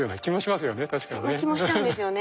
そんな気もしちゃうんですよね。